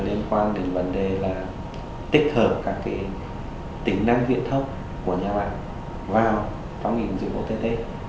một liên quan đến vấn đề là tích hợp các tính năng viện thấp của nhà bạn vào phong hình dựng ott